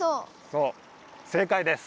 そう正解です！